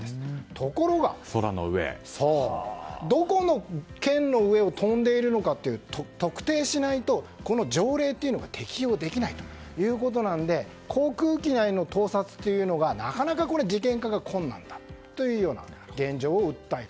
ところが、どこの県の上を飛んでいるのか特定しないと、条例が適用できないということなので航空機内の盗撮というのがなかなか事件化が困難だという現状を訴えた。